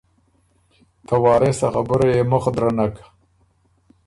ته وارث آ خبُره يې مُخ درنک۔